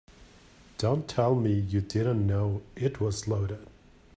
Don't tell me you didn't know it was loaded.